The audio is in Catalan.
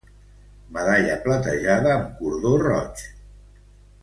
Medalla platejada amb cordó roig.